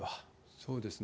そうですね。